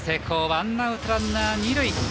ワンアウトランナーは二塁です。